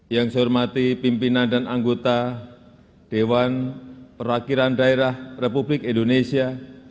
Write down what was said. yang saya hormati pimpinan dan anggota dewan perwakilan daerah republik indonesia